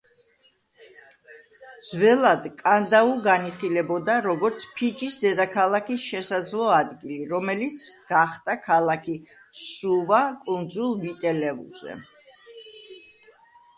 ძველად კანდავუ განიხილებოდა, როგორც ფიჯის დედაქალაქის შესაძლო ადგილი, რომელიც გახდა ქალაქი სუვა კუნძულ ვიტი-ლევუზე.